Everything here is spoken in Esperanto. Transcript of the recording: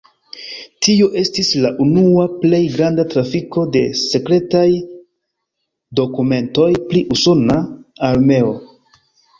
Tio estis la unua plej granda trafiko de sekretaj dokumentoj pri usona armeo.